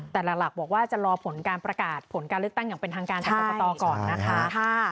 แต่หลักบอกว่าจะรอผลการประกาศผลการเลือกตั้งอย่างเป็นทางการจากกรกตก่อนนะคะ